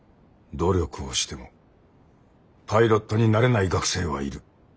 努力をしてもパイロットになれない学生はいる。